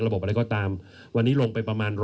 ระบบอะไรก็ตามวันนี้ลงไปประมาณ